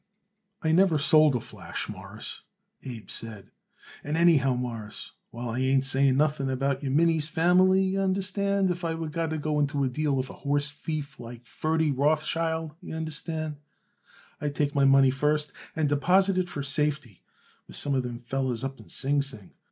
"I never sold a flash, Mawruss," Abe said; "and, anyhow, Mawruss, while I ain't saying nothing about your Minnie's family, y'understand, if I would got to go into a deal with a horse thief like Ferdy Rothschild, y'understand, I would take my money first and deposit it for safety with some of them fellers up in Sing Sing.